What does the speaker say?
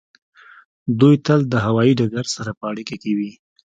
دوی تل د هوایی ډګر سره په اړیکه کې وي